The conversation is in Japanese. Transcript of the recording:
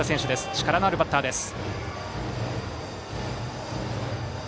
力のあるバッターです。